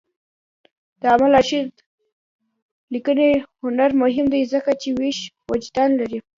د علامه رشاد لیکنی هنر مهم دی ځکه چې ویښ وجدان لري.